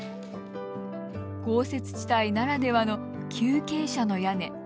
豪雪地帯ならではの急傾斜の屋根。